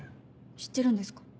知ってるんですか？